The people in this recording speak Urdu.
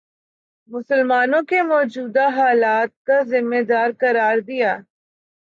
مسلمانوں کے موجودہ حالات کا ذمہ دار قرار دیا